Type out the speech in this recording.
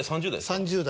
３０代。